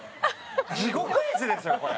地獄絵図ですよこれ。